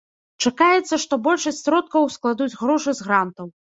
Чакаецца, што большасць сродкаў складуць грошы з грантаў.